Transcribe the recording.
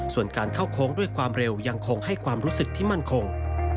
ส่วนการเข้าโค้งด้วยความเร็วยังคงให้ความรู้สึกที่มั่นคง